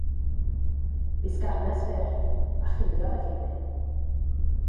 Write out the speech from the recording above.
Bu sgarmes fyr, a chiliodd y gelyn.